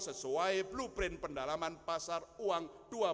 sesuai blueprint pendalaman pasar uang dua ribu dua puluh lima